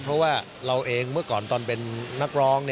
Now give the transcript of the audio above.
เพราะว่าเราเองเมื่อก่อนตอนเป็นนักร้อง